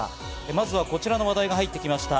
まずはこちらの話題が入ってきました。